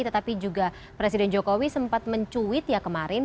tetapi juga presiden jokowi sempat mencuit ya kemarin